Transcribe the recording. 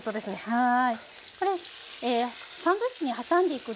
はい。